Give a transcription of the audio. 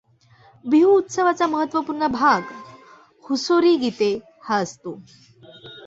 बिहूउत्सवाचा महत्वपुर्ण भाग हुसोरी गीते हा असतो.